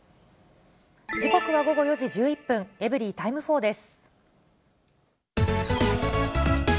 時刻は午後４時１１分、エブリィタイム４です。